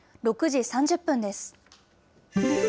６時３０分です。